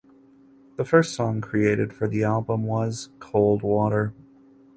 The first song created for the album was "Cold Water".